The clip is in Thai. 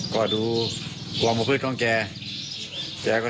กำลังใหญ่จะอยู่ในโรงเรียนมิ